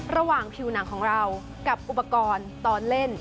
ระหว่างผิวหนังของเรากับอุปกรณ์ตอนเล่น